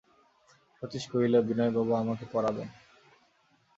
সতীশ কহিল, বিনয়বাবু আমাকে পড়াবেন।